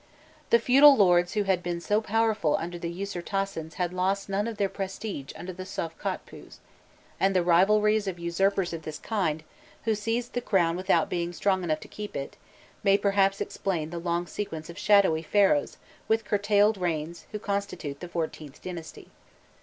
The feudal lords who had been so powerful under the Usirtasens had lost none of their prestige under the Sovkhotpûs: and the rivalries of usurpers of this kind, who seized the crown without being strong enough to keep it, may perhaps explain the long sequence of shadowy Pharaohs with curtailed reigns who constitute the XIVth dynasty.